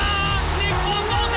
日本、同点！